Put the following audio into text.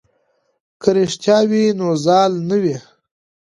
که رښتیا وي نو زال نه وي.